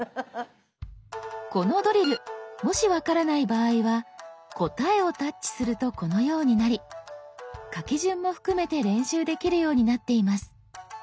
このドリルもし分からない場合は「答え」をタッチするとこのようになり書き順も含めて練習できるようになっています。